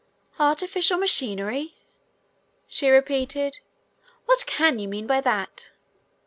"Artificial machinery?" she repeated. "What can you mean by that?"